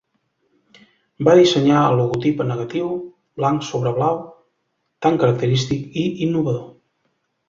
Va dissenyar el logotip en negatiu, blanc sobre blau, tan característic i innovador.